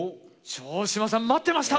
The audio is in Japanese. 城島さん待ってました。